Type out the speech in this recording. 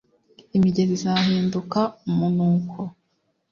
imigezi izahinduka umunuko,